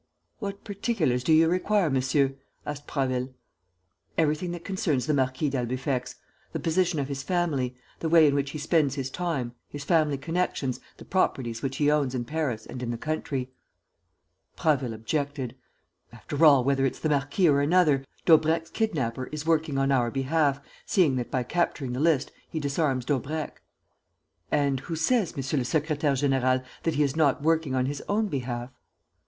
"What particulars do you require, monsieur?" asked Prasville. "Everything that concerns the Marquis d'Albufex: the position of his family, the way in which he spends his time, his family connections, the properties which he owns in Paris and in the country." Prasville objected: "After all, whether it's the marquis or another, Daubrecq's kidnapper is working on our behalf, seeing that, by capturing the list, he disarms Daubrecq." "And who says, monsieur le secrétaire; général, that he is not working on his own behalf?"